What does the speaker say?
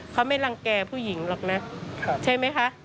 เขาไม่รังแก่ผู้หญิงหรอกนะใช่ไหมคะ